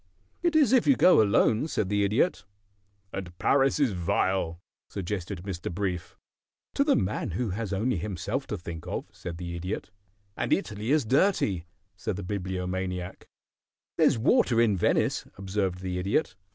"It is if you go alone," said the Idiot. "And Paris is vile," suggested Mr. Brief. "To the man who has only himself to think of," said the Idiot. "And Italy is dirty," said the Bibliomaniac. "There's water in Venice," observed the Idiot.